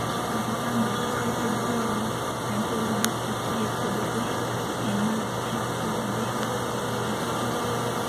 Akapande akaateekeddwawo ssentebe wa disitulikiti y'e Koboko mu Maracha kaavuddeko akakuubagano.